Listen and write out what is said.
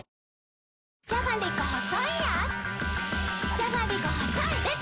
じゃがりこ細いでた‼